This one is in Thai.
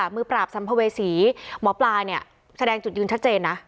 มือปราบสัมภเวษีหมอปลาเนี่ยแสดงจุดยืนชัดเจนนะ